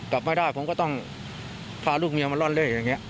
กลับไม่ได้ผมก็ต้องพาลูกเมียมาร่อนเล่อย่างนี้